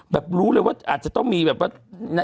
รู้เลยว่าอาจจะต้องมีแบบว่า